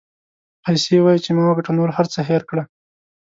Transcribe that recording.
پیسې وایي چې ما وګټه نور هر څه هېر کړه.